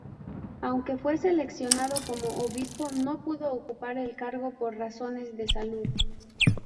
Aunque fue seleccionado como obispo no pudo ocupar el cargo por razones de salud.